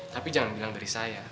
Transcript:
tapi jangan bilang dari saya